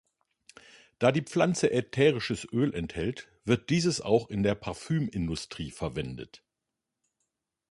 Da die Pflanze ätherisches Öl enthält, wird dieses auch in der Parfümindustrie verwendet.